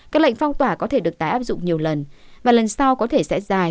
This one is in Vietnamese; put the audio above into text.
các lệnh phong tỏa có thể được tái áp dụng nhiều lần và lần sau có thể sẽ dài